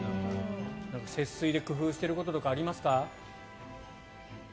節水で工夫してることとかありますか？